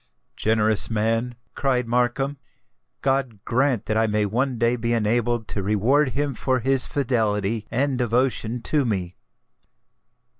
"Generous man;" cried Markham: "God grant that I may one day be enabled to reward him for his fidelity and devotion to me!"